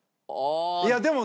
いやでもね